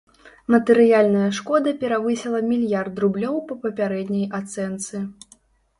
Матэрыяльная шкода перавысіла мільярд рублёў па папярэдняй ацэнцы.